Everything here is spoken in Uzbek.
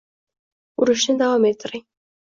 Urishni davom ettiring